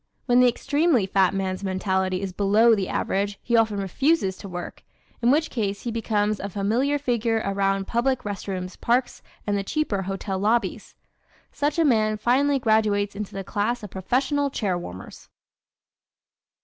When the extremely fat man's mentality is below the average he often refuses to work in which case he becomes a familiar figure around public rest rooms, parks and the cheaper hotel lobbies. Such a man finally graduates into the class of professional chair warmers.